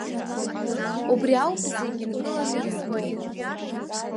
Убри ауп зегьы нкыланы измоу.